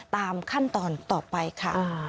ตามขั้นตอนต่อไปค่ะ